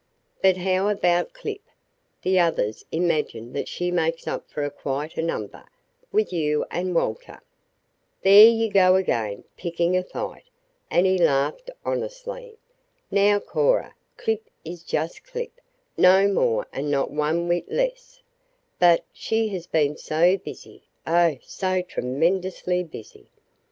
"But how about Clip? The others imagine that she makes up for quite a number with you and Walter." "There you go again, picking a fight," and he laughed honestly. "Now, Cora, Clip is just Clip, no more and not one whit less, but she has been so busy oh, so tremendously busy!"